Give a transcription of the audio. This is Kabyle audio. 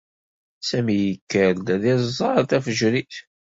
Sami yekker-d ad iẓẓal tafejrit.